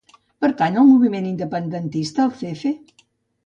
Pertany al moviment independentista el Cefe?